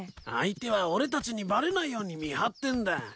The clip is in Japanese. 相手は俺たちにバレないように見張ってんだ。